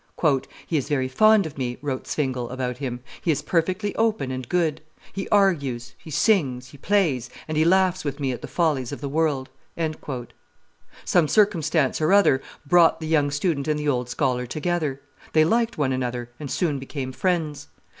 "He is very fond of me," wrote Zwingle about him; "he is perfectly open and good; he argues, he sings, he plays, and be laughs with me at the follies of the world." Some circumstance or other brought the young student and the old scholar together; they liked one another, and soon became friends.